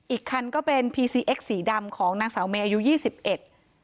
อีกคันก็เป็นพีซีเอ็กสีดำของนางสาวเมย์อายุยี่สิบเอ็ด